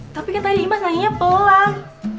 tapi kan tadi imaz nanginya pelang